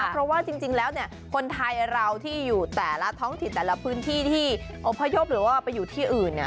เพราะว่าจริงแล้วคนไทยเราที่อยู่แต่ละท้องถิ่นแต่ละพื้นที่ที่อพยพหรือว่าไปอยู่ที่อื่น